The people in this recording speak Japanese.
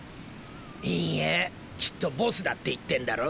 いいえきっとボスだって言ってんだろ？